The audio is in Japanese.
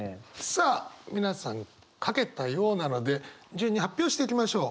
さあ皆さん書けたようなので順に発表していきましょう。